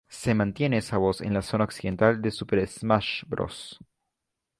Se mantiene esa voz en la zona occidental de Super Smash Bros.